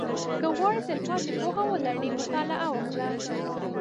• که غواړې تلپاتې پوهه ولرې، مطالعه وکړه.